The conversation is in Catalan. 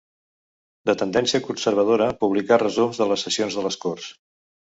De tendència conservadora, publicà resums de les sessions de les corts.